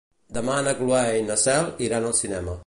Demà na Cloè i na Cel iran al cinema.